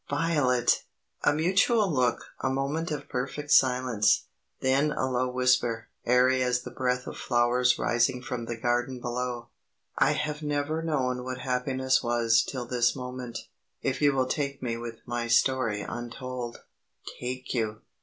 "Violet!" A mutual look, a moment of perfect silence, then a low whisper, airy as the breath of flowers rising from the garden below: "I have never known what happiness was till this moment. If you will take me with my story untold " "Take you!